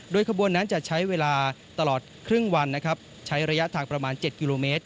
ขบวนนั้นจะใช้เวลาตลอดครึ่งวันนะครับใช้ระยะทางประมาณ๗กิโลเมตร